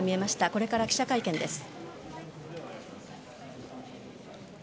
これから記者会見です。